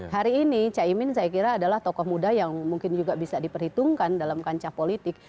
hari ini caimin saya kira adalah tokoh muda yang mungkin juga bisa diperhitungkan dalam kancah politik